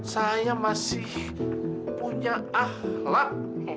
saya masih punya ahlak